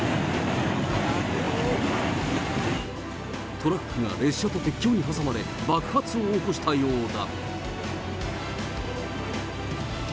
トラックが列車と鉄橋に挟まれ、爆発を起こしたようだ。